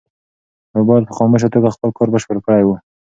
موبایل په خاموشه توګه خپل کار بشپړ کړی و.